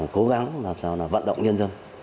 cố gắng làm sao là vận động nhân dân